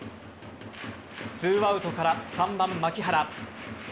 ２アウトから３番・牧原。